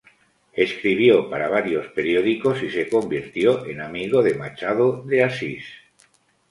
Escribió para varios periódicos y se convirtió en amigo de Machado de Assis.